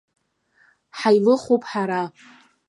Ҳаилыхуп ҳара.